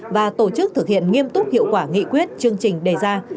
và tổ chức thực hiện nghiêm túc hiệu quả nghị quyết chương trình đề ra